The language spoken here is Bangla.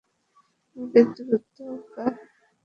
আমাদের দ্রুত কাকামুচোতে পৌঁছতে হবে!